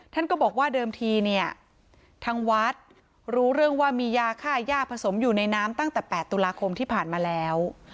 ท่านก็บอกว่าเดิมทีเนี่ยทางวัดรู้เรื่องว่ามียาค่าย่าผสมอยู่ในน้ำตั้งแต่๘ตุลาคมที่ผ่านมาแล้ว